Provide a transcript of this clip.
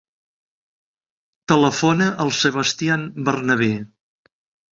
Telefona al Sebastian Bernabe.